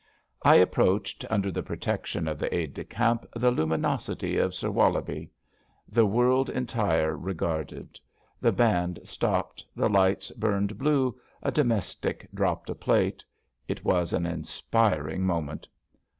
I approached, under the protection of the Aide de Camp, the luminosity of Sir Wollobie. The world entire regarded. The band stopped. The lights, burned blue. A domestic dropped a plate. It was an inspiring moment.